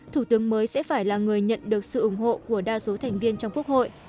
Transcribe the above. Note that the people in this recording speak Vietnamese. thủ tướng mới sẽ phải là người nhận được sự ủng hộ của đa số thành viên trong quốc hội